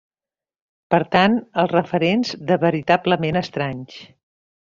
Per tant, els referents de veritablement estranys.